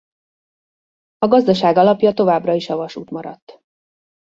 A gazdaság alapja továbbra is a vasút maradt.